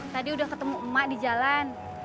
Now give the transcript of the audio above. tadi udah ketemu emak di jalan